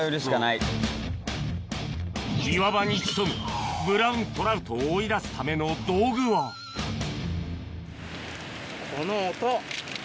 岩場に潜むブラウントラウトを追い出すための道具はこの音。